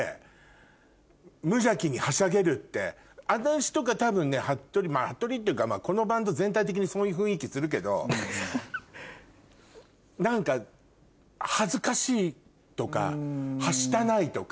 って私とか多分ねはっとりまぁはっとりっていうかこのバンド全体的にそういう雰囲気するけど何か恥ずかしいとかはしたないとか。